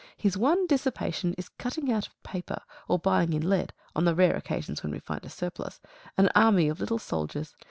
His one dissipation is cutting out of paper, or buying in lead (on the rare occasion when we find a surplus), an army of little soldiers.